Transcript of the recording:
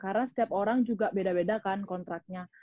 karena setiap orang juga beda beda kan kontraknya